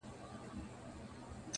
څه به کړو چي دا دریاب راته ساحل شي!.